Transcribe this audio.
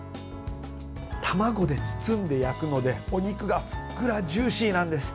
卵で包んで焼くので、お肉がふっくらジューシーなんです。